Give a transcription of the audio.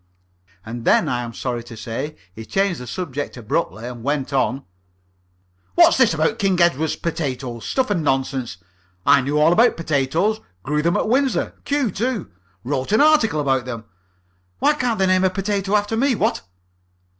And then I am sorry to say he changed the subject abruptly. He went on: "What's this about King Edward potatoes? Stuff and nonsense! I knew all about potatoes. Grew them at Windsor. Kew too. Wrote an article about them. Why can't they name a potato after me? What?"